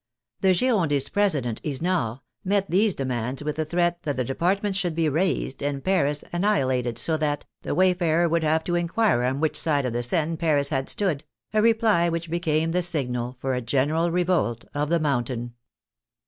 The Girondist president, Isnard, met these demands with the threat that the departments should be razed and Paris annihilated, so that " the way farer would have to inquire on which side of the Seine Paris had stood," a reply which became the signal for a general revolt of the Mountain.